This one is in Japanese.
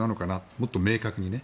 もっと明確にね。